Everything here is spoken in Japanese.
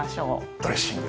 ドレッシング。